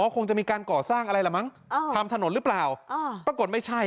คงจะมีการก่อสร้างอะไรล่ะมั้งทำถนนหรือเปล่าปรากฏไม่ใช่